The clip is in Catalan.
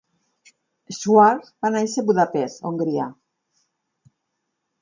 Schwartz va néixer a Budapest, Hongria.